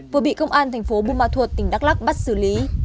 vừa bị công an thành phố buôn ma thuột tỉnh đắk lắc bắt xử lý